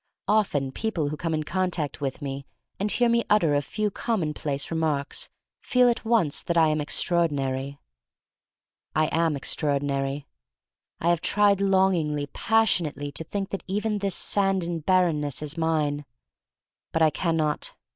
Often people who come in contact with me and hear me utter a few com monplace remarks feel at once that I am extraordinary. I am extraordinary. I have tried longingly, passionately, to think that even this sand and bar renness is mine. But I can not.